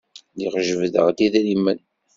Lliɣ jebbdeɣ-d idrimen.